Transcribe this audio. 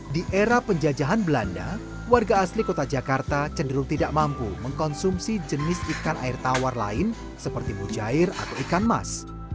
di era penjajahan belanda warga asli kota jakarta cenderung tidak mampu mengkonsumsi jenis ikan air tawar lain seperti mujair atau ikan mas